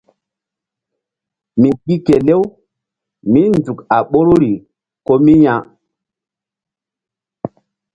Mi gi kelew mí nzuk a ɓoruri ko mi ya.